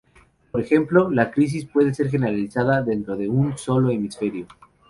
Por ejemplo, la crisis puede ser generalizada dentro de un solo hemisferio.